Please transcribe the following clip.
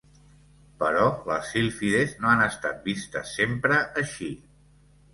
Però les sílfides no han estat vistes sempre així.